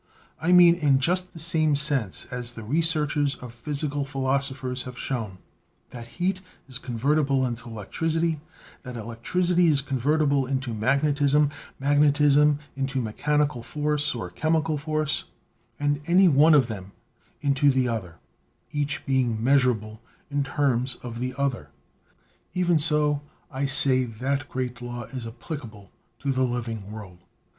I mean in just the same sense as the researches of physical philosophers have shown that heat is convertible into electricity, that elec tricity is convertible into magnetism, magnetism into mechanical force or chemical force, and any one of them into the other, each being measurable in terms of the other — even so, I say that great law is applicable to the living world."